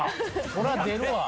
こりゃ出るわ。